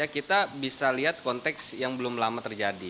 kita bisa lihat konteks yang belum lama terjadi